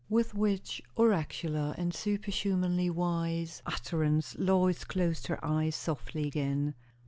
With which oracular and superhumanly wise utterance Lois closed her eyes softly again.